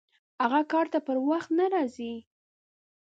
هغه کار ته پر وخت نه راځي!